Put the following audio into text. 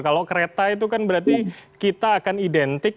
kalau kereta itu kan berarti kita akan identik